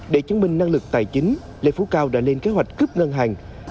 để chứng minh năng lực tài chính lê phú cao đã lên kế hoạch cướp ngân hàng